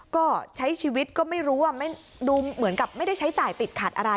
ก็ใช้ชีวิตก็ไม่รู้ว่าดูเหมือนกับไม่ได้ใช้จ่ายติดขัดอะไร